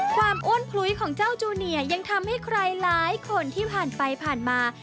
อ้วนพลุ้ยของเจ้าจูเนียยังทำให้ใครหลายคนที่ผ่านไปผ่านมา